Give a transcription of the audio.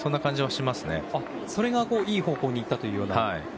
それがいい方向に行ったというような。